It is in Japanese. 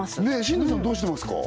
進藤さんどうしてますか？